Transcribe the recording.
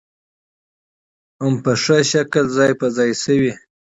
هم په ښه شکل ځاى په ځاى شوې .